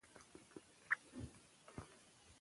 ښوونځې لوستې میندې د ماشومانو د خوب ارامتیا ته پام کوي.